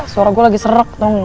suara gue lagi serek dong